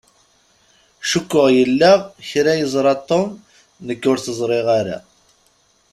Cukkeɣ yella kra i yeẓṛa Tom nekk ur t-ẓṛiɣ ara.